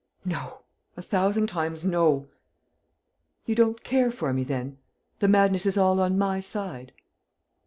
"No; a thousand times no." "You don't care for me, then? The madness is all on my side?"